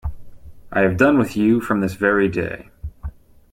I have done with you from this very day.